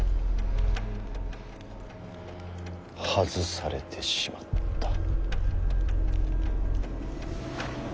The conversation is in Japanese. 外されてしまった。